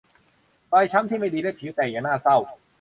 รอยช้ำที่ไม่ดีและผิวแตกอย่างน่าเศร้า